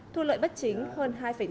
thu lợi bất chính hơn hai bốn tỷ đồng